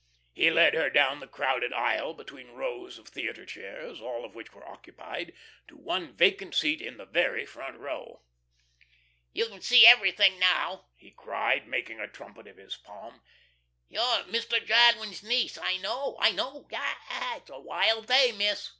He led her down the crowded aisle between rows of theatre chairs, all of which were occupied, to one vacant seat in the very front row. "You can see everything, now," he cried, making a trumpet of his palm. "You're Mister Jadwin's niece. I know, I know. Ah, it's a wild day, Miss.